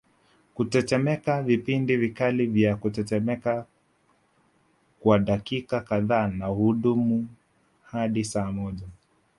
Kutetemeka vipindi vikali vya kutetemeka kwa dakika kadhaa na hudumu hadi saa moja